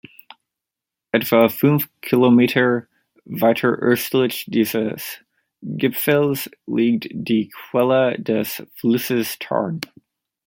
Etwa fünf Kilometer weiter östlich dieses Gipfels liegt die Quelle des Flusses Tarn.